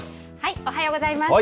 おはようございます。